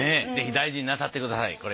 ぜひ大事になさってください。